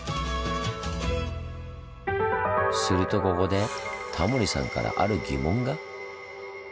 するとここでタモリさんからある疑問が。